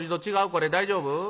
これ大丈夫？